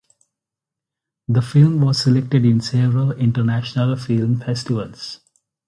The film was selected in several international film festivals.